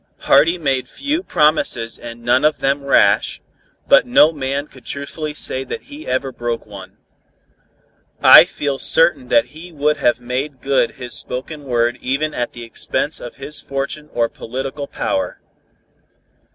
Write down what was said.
Hardy made few promises and none of them rash, but no man could truthfully say that he ever broke one. I feel certain that he would have made good his spoken word even at the expense of his fortune or political power.